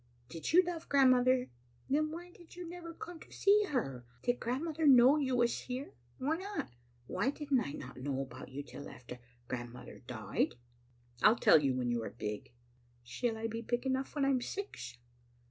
Did you love grandmother? Then why did you never come to see her? Did grandmother know you was here? Why not? Why didn't I not know about you till after grandmother died?" "I'll tell you when you are big." " Shall I be big enough when I am six?"